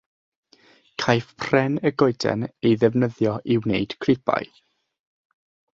Caiff pren y goeden ei ddefnyddio i wneud cribau.